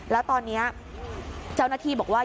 และตอนนี้เจ้านทีบอกว่า